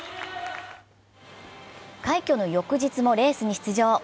快挙の翌日もレースに出場。